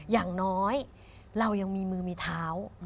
อย่างน้อยเรายังมีมือมีเท้า